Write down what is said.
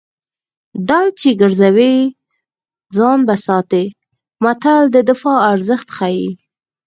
ډال چې ګرځوي ځان به ساتي متل د دفاع ارزښت ښيي